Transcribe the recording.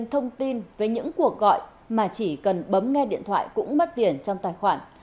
thông tin về những cuộc gọi mà chỉ cần bấm nghe điện thoại cũng mất tiền trong tài khoản